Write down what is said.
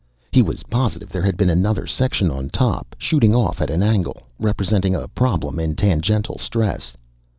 He was positive there had been another section on top, shooting off at an angle, representing a problem in tangential stress.